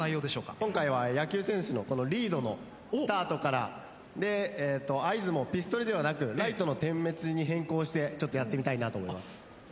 今回は野球選手のこのリードのスタートからでえっと合図もピストルではなくライトの点滅に変更してちょっとやってみたいなと思います。